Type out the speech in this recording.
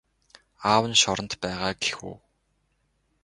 Аав нь шоронд байгаа гэх үү?